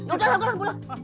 udah lah gue langsung